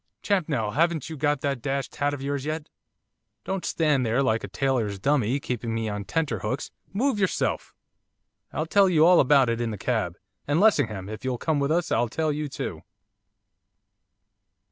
'Champnell, haven't you got that dashed hat of yours yet? Don't stand there like a tailor's dummy, keeping me on tenter hooks, move yourself! I'll tell you all about it in the cab. And, Lessingham, if you'll come with us I'll tell you too.